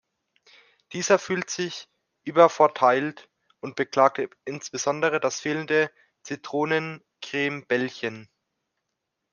Dieser fühlt sich übervorteilt und beklagt insbesondere das fehlende Zitronencreme-Bällchen.